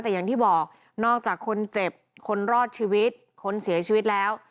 แต่อย่างที่บอกนอกจากคนเจ็บคนรอดชีวิตคนเสียชีวิตแล้ว